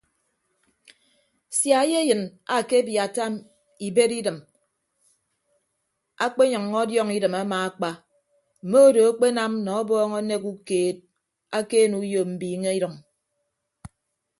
Sia eyeyịn akebiatta ibed idịm akpenyʌññọ ọdiọñ idịm amaakpa mme odo akpenam nọ ọbọọñ anek ukeed akeene uyo mbiiñe idʌñ.